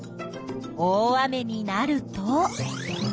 大雨になると。